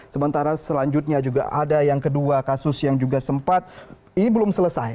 sementara selanjutnya juga ada yang kedua kasus yang juga sempat ini belum selesai